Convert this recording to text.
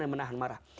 dan menahan marah